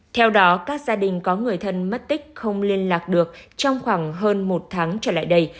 theo đó các gia đình có người thân mất tích không liên lạc được trong khoảng hơn một tháng trở lại đây